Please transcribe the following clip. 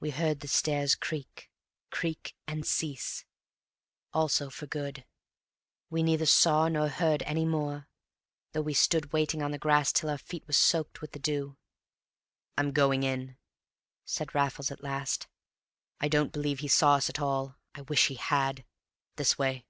We heard the stairs creak, creak, and cease, also for good. We neither saw nor heard any more, though we stood waiting on the grass till our feet were soaked with the dew. "I'm going in," said Raffles at last. "I don't believe he saw us at all. I wish he had. This way."